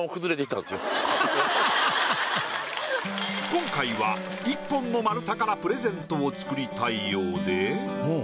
今回は１本の丸太からプレゼントを作りたいようで。